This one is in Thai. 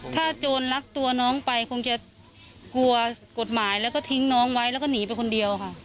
ถ้าโจรรัดตัวน้องไปคงจะกลัวกฎหมายแล้วก็ทิ้งน้องไว้แล้วก็หนีไปคนเดียวค่ะ